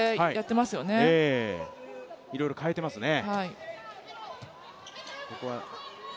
いろいろ変えていますね。